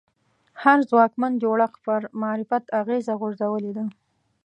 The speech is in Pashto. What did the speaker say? هر ځواکمن جوړښت پر معرفت اغېزه غورځولې ده